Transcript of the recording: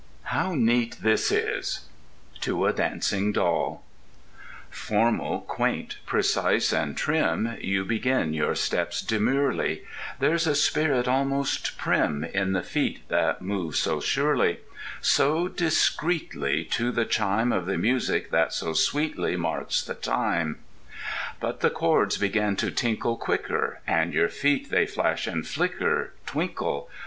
How neat this is: TO A DANCING DOLL Formal, quaint, precise, and trim, You begin your steps demurely— There's a spirit almost prim In the feet that move so surely. So discreetly, to the chime Of the music that so sweetly Marks the time. But the chords begin to tinkle Quicker, And your feet they flash and flicker— Twinkle!